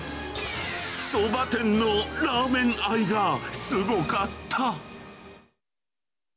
そば店のラーメン愛がすごかった。